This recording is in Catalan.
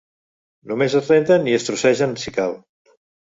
Només es renten i es trossegen si cal.